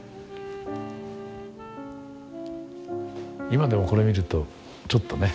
今でもこれ見るとちょっとね。